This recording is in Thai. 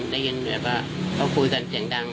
ได้ยินเหมือนว่าเค้าคุยกันเสียงดัง